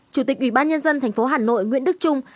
chủ tịch ủy ban nhân dân thành phố hà nội nguyễn đức trung